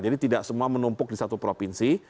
jadi tidak semua menumpuk di satu provinsi